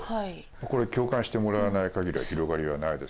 これ共感してもらわない限りは広がりはないです。